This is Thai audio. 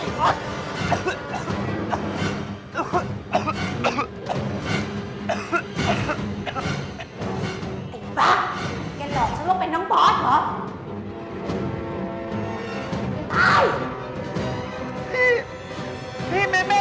จัดเต็มให้เลย